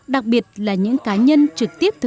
đặc biệt là những cá nhân trực tiếp thực